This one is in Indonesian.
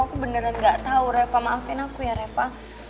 aku beneran gak tau reva maafin aku ya reva